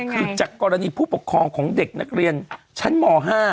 คือจากกรณีผู้ปกครองของเด็กนักเรียนชั้นม๕